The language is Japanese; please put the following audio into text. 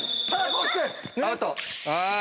アウト。